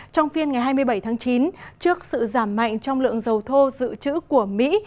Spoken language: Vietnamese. trong phiên ngày hai mươi bảy tháng chín trước sự giảm mạnh trong lượng dầu thô dự trữ của mỹ